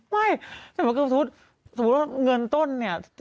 ไม่สมมุติสมมติบอกเงินต้นเนี่ย